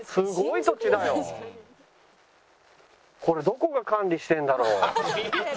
これどこが管理してるんだろう？